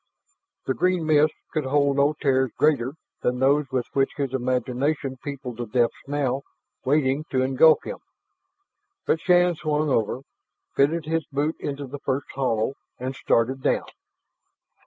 The green mist could hold no terrors greater than those with which his imagination peopled the depths now waiting to engulf him. But Shann swung over, fitted his boot into the first hollow, and started down.